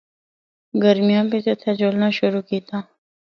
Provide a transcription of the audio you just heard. گرمیاں بچ اِتھا جُلنا شروع کیتا۔